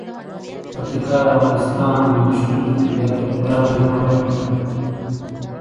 پکتیکا د افغانستان د ښکلي طبیعت یوه خورا مهمه برخه ده.